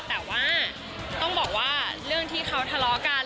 แต่ว่าต้องบอกว่าเรื่องที่เขาทะเลาะกัน